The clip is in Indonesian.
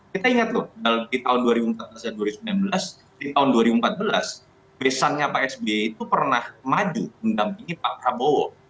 kita ingat loh di tahun dua ribu sembilan belas di tahun dua ribu empat belas besarnya pak sby itu pernah maju mendampingi pak prabowo